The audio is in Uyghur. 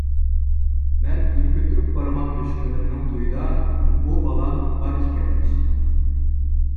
مەن گۈل كۆتۈرۈپ بارغان دۈشمىنىمنىڭ تويىدا ئۇ بالا بار ئىكەنمىش.